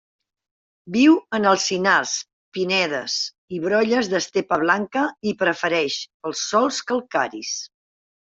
Viu en alzinars, pinedes, i brolles d'estepa blanca i prefereix els sòls calcaris.